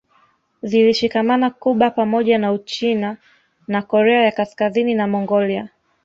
Zilishikamana Cuba pamoja na Uchina na Korea ya Kaskazini na Mongolia